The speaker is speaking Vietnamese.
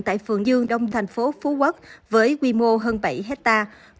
tại phường dương đông thành phố phú quốc với quy mô hơn bảy hectare